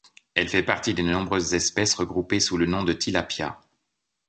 Il fait partie des nombreuses espèces regroupées sous le nom de Tilapia.